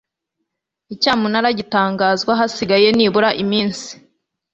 Icyamunara gitangazwa hasigaye nibura iminsi